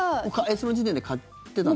その時点で買ってたの？